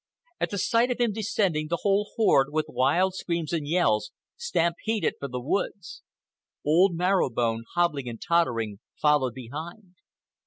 At the sight of him descending, the whole horde, with wild screams and yells, stampeded for the woods. Old Marrow Bone, hobbling and tottering, followed behind.